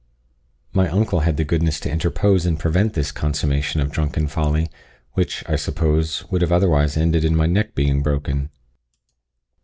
My uncle had the goodness to interpose and prevent this consummation of drunken folly, which, I suppose, would have otherwise ended in my neck being broken.